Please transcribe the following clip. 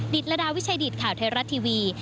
ดิ๊ดละดาวิชาดิดข่าวไทยรัดทีวี